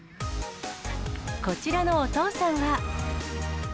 こちらのお父さんは。